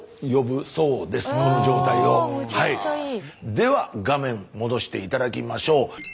では画面戻して頂きましょう。